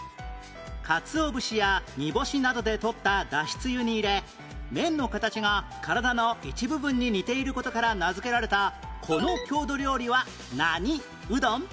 かつお節や煮干しなどで取っただしつゆに入れ麺の形が体の一部分に似ている事から名づけられたこの郷土料理は何うどん？